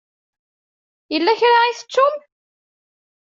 Yella kra i tettum?